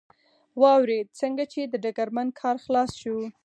واورېد، څنګه چې د ډګرمن کار خلاص شو.